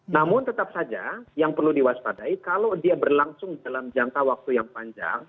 namun tetap saja yang perlu diwaspadai kalau dia berlangsung dalam jangka waktu yang panjang